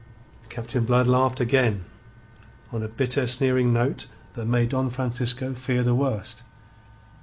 Captain Blood laughed again, on a bitter, sneering note that made Don Francisco fear the worst.